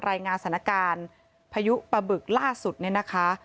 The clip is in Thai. รายงานสถานการณ์พายุปะบึกล่าสุดเนี่ยนะคะ